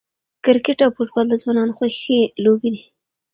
کرکټ او فوټبال د ځوانانو خوښې لوبې دي.